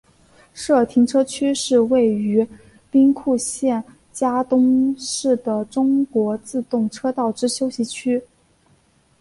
社停车区是位于兵库县加东市的中国自动车道之休息区。